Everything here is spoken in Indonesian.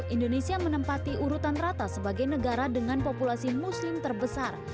indonesia menempati urutan rata sebagai negara dengan populasi muslim terbesar